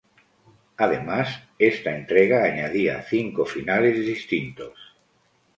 Además, esta entrega añadía cinco finales distintos.